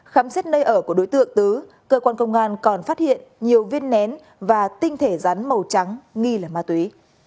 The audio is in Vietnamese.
khám xét nơi ở của đối tượng tứ cơ quan công an còn phát hiện nhiều viên nén và tinh thể rắn màu trắng nghi là ma túy